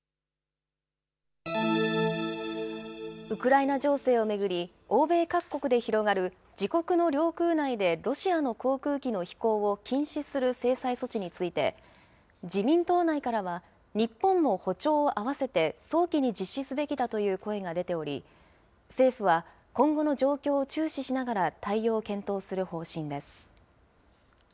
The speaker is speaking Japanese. ウクライナ情勢を巡り、欧米各国で広がる自国の領空内でロシアの航空機の飛行を禁止する制裁措置について、自民党内からは、日本も歩調を合わせて、早期に実施すべきだという声が出ており、政府は今後の状況を注視しながら対応を検討する方針です。